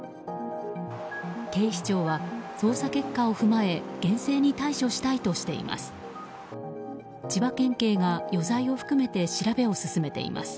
警視庁は捜査結果を踏まえ厳正に対処したいとしています。